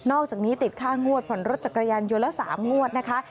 อกจากนี้ติดค่างวดผ่อนรถจักรยานยนต์ละ๓งวดนะคะ